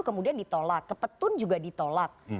kemudian ditolak ke petun juga ditolak